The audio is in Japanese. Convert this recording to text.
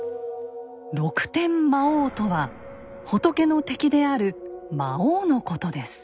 「六天魔王」とは仏の敵である魔王のことです。